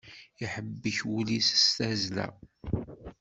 Iḥebbek wul-is s tazla.